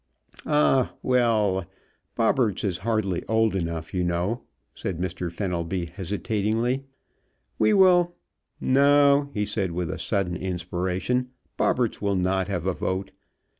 "Ah well, Bobberts is hardly old enough, you know," said Mr. Fenelby hesitatingly. "We will No," he said with sudden inspiration, "Bobberts will not have a vote.